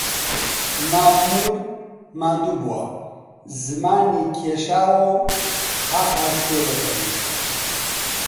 مام نوور ماندوو بووە، زمانی کێشاوە و قاقاش پێدەکەنێ